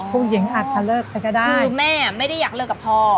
อาจจะเลิกไปก็ได้คือแม่ไม่ได้อยากเลิกกับพ่อ